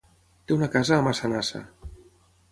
Té una casa a Massanassa.